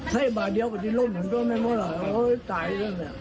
ใส่บ่าเดี๋ยวก็ทิศล่มมันก็ตายแล้วนะครับ